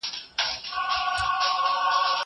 که وخت وي، ځواب ليکم!!!!